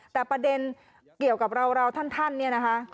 แต่ประเด็นเกี่ยวกับเราท่านเนี่ยนะคะ